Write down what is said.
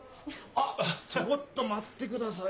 あっちょごっと待ってください。